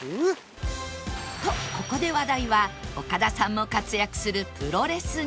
とここで話題はオカダさんも活躍するプロレスに